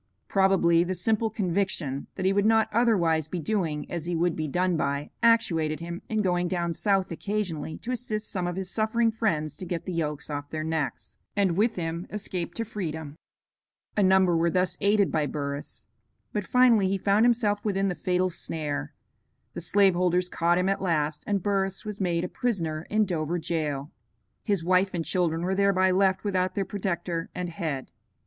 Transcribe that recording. Probably the simple conviction that he would not otherwise be doing as he would be done by actuated him in going down South occasionally to assist some of his suffering friends to get the yokes off their necks, and with him escape to freedom. A number were thus aided by Burris. But finally he found himself within the fatal snare; the slave holders caught him at last, and Burris was made a prisoner in Dover jail. His wife and children were thereby left without their protector and head.